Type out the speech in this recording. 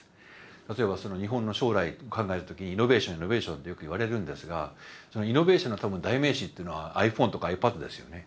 例えば日本の将来を考える時にイノベーションイノベーションってよく言われるんですがそのイノベーションの代名詞っていうのはｉＰｈｏｎｅとかｉＰａｄですよね。